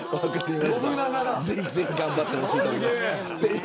ぜひぜひ頑張ってほしいと思います。